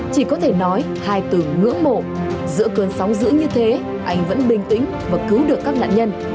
chỉ có thể nói hai từ ngưỡng mộ giữa cơn sóng dữ như thế anh vẫn bình tĩnh và cứu được các nạn nhân